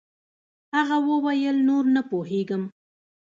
هغه وويل نور نه پوهېږم.